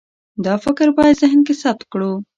دا فکر باید ذهن کې ثبت کړو.